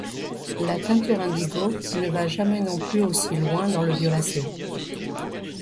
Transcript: La teinture indigo ne va jamais non plus aussi loin dans le violacé.